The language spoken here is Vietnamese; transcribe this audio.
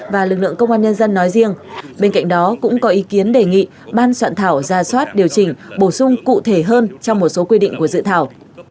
và ý kiến đề nghị ban soạn thảo ra soát điều chỉnh bổ sung cụ thể hơn trong một số quy định của dự thảo